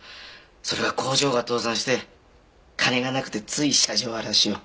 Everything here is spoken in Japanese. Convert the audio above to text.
それが工場が倒産して金がなくてつい車上荒らしを。